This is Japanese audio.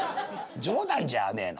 冗談じゃあねえな」。